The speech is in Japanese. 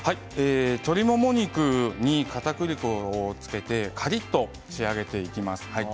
鶏もも肉にかたくり粉を付けてカリっと仕上げていきます。